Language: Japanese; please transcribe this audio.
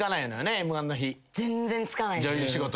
全然つかないです。